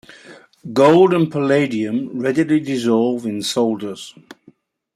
Gold and palladium readily dissolve in solders.